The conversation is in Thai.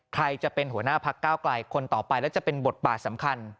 ใครจะเป็นหัวหน้าพักก้าวไกลคนต่อไปแล้วจะเป็นบทบาทสำคัญ